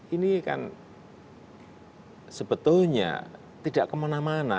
ini kan sebetulnya tidak kemana mana